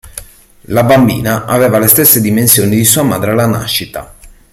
La bambina aveva le stesse dimensioni di sua madre alla nascita.